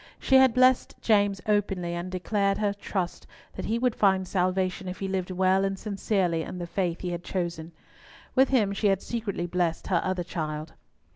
She had blessed James openly, and declared her trust that he would find salvation if he lived well and sincerely in the faith he had chosen. With him she had secretly blessed her other child.